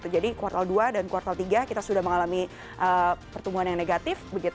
kuartal dua dan kuartal tiga kita sudah mengalami pertumbuhan yang negatif